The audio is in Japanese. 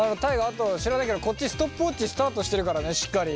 あと知らないけどこっちストップウォッチスタートしてるからねしっかり。